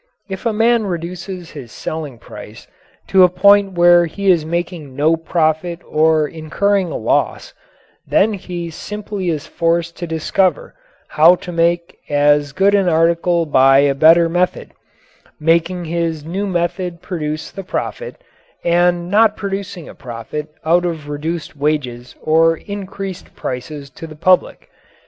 If a man reduces his selling price to a point where he is making no profit or incurring a loss, then he simply is forced to discover how to make as good an article by a better method making his new method produce the profit, and not producing a profit out of reduced wages or increased prices to the public.